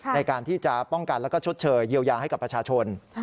ในการที่จะป้องกันแล้วก็ชดเชยเยียวยาให้กับประชาชน